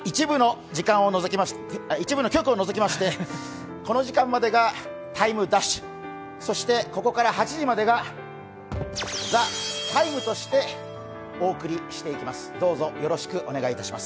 一部の局を除きまして、この時間までが「ＴＩＭＥ’」そしてここから８時までが「ＴＨＥＴＩＭＥ，」としてお送りしていきます。